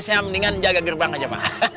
saya mendingan jaga gerbang aja pak